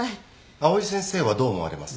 藍井先生はどう思われますか？